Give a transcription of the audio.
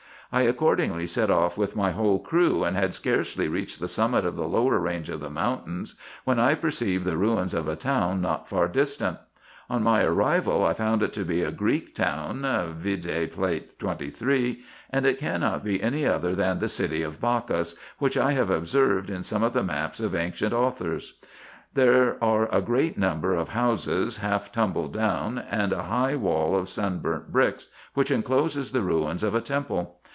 I accordingly set off with my whole crew, and had scarcely reached the summit of the lower range of the mountains, when I perceived the ruins of a town not far distant. On my arrival, I found it to be a Greek town, (vide Plate 23.) and it cannot be any other than the city of Bacchus, which I have observed in some of the maps of ancient authors. There are a great number of houses, half tumbled down, and a high wall of sun burnt bricks, which incloses the ruins of a temple.